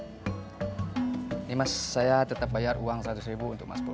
ini mas saya tetap bayar uang seratus ribu untuk mas budi